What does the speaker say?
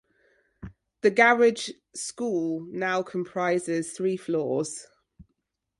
The Garage school now comprises three floors.